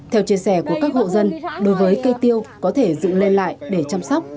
theo chia sẻ của các hộ dân đối với cây tiêu có thể dựng lên lại để chăm sóc